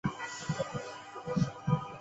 合酶是催化合成反应的酶类。